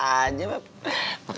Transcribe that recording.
kamu udah nerima kekurangan aku